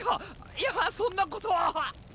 いやそんなことは！